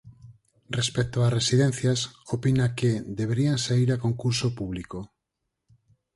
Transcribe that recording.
Respecto ás residencias, opina que "deberían saír a concurso público".